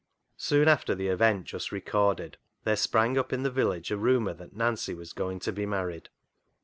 Soon after the event just recorded, there sprang up in the village a rumour that Nancy was going to be married.